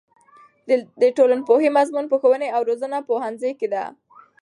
د ټولنپوهنې مضمون په ښوونې او روزنې پوهنځي کې دی.